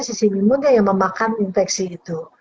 sisi imunnya yang memakan infeksi itu